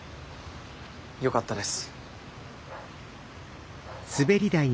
よかったです。